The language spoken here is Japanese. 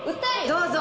どうぞ！